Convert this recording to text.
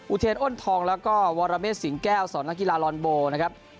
เทรอ้นทองแล้วก็วรเมฆสิงแก้วสอนนักกีฬาลอนโบนะครับ